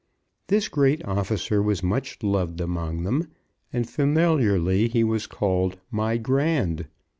This great officer was much loved among them, and familiarly he was called "My Grand."